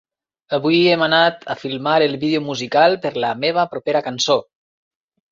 Avui hem anat a filmar el vídeo musical per la meva propera cançó.